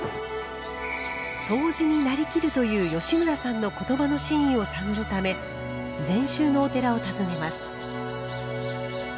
“そうじになりきる”という吉村さんの言葉の真意を探るため禅宗のお寺を訪ねます。